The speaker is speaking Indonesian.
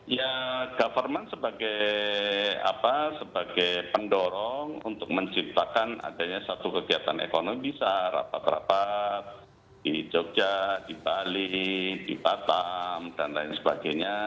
ya government sebagai pendorong untuk menciptakan adanya satu kegiatan ekonomi bisa rapat rapat di jogja di bali di batam dan lain sebagainya